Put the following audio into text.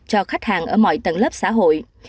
cho khách hàng ở mọi tầng lớp xã hội